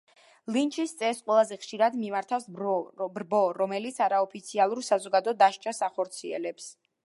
ლინჩის წესს ყველაზე ხშირად მიმართავს ბრბო, რომელიც არაოფიციალურ საზოგადო დასჯას ახორციელებს.